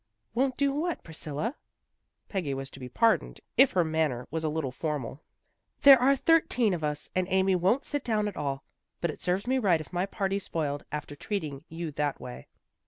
" Won't do what, Priscilla? " Peggy was to be pardoned if her manner was a little formal. A BELATED INVITATION 269 ' There are thirteen of us, and Amy won't sit down at all. But it serves me right if my party's spoiled, after treating you that way."